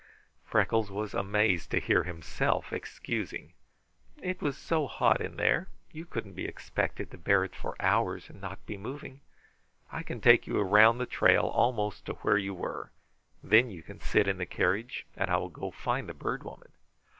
Freckles was amazed to hear himself excusing: "It was so hot in there. You couldn't be expected to bear it for hours and not be moving. I can take you around the trail almost to where you were. Then you can sit in the carriage, and I will go find the Bird Woman."